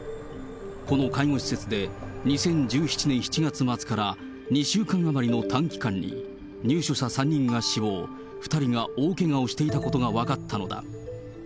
この介護施設で、２０１７年７月末から２週間余りの短期間に、入所者３人が死亡、２人が大けがをしていたことが分かったのだ。